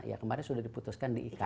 ya kemarin sudah diputuskan di ikn